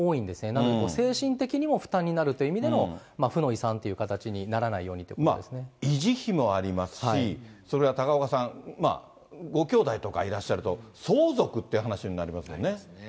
だから精神的にも負担になるという意味での負の遺産という形になまあ、維持費もありますし、それから高岡さん、ごきょうだいとかいらっしゃると、相続っていう話になりますもんね。